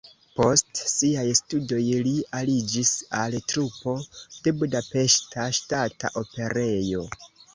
Post siaj studoj li aliĝis al trupo de Budapeŝta Ŝtata Operejo.